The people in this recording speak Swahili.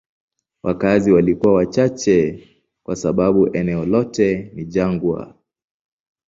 Wakazi walikuwa wachache kwa sababu eneo lote ni jangwa.